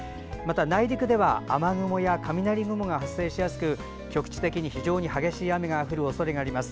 内陸では雨雲や雷雲が発生しやすく局地的に非常に激しい雨が降るおそれがあります。